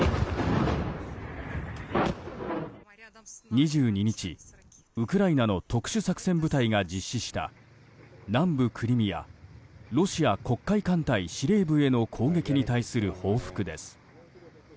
２２日、ウクライナの特殊作戦部隊が実施した南部クリミアロシア黒海艦隊司令部への攻撃に対する報復です。